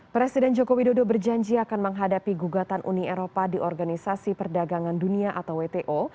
presiden joko widodo berjanji akan menghadapi gugatan uni eropa di organisasi perdagangan dunia atau wto